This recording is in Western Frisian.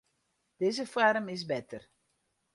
Dizze foarm is better.